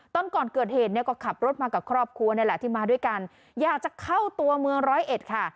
ตอนก่อนเกิดเหตุเนี่ยก็ขับรถมากับครอบครัวนี่แหละที่มาด้วยกันอยากจะเข้าตัวเมืองร้อยเอ็ดค่ะ